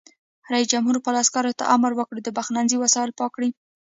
رئیس جمهور خپلو عسکرو ته امر وکړ؛ د پخلنځي وسایل پاک کړئ!